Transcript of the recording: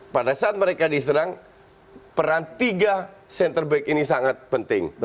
pada saat mereka diserang peran tiga center back ini sangat penting